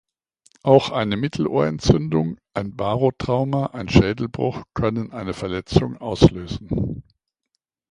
Auch eine Mittelohrentzündung, ein Barotrauma, ein Schädelbruch können eine Verletzung auslösen.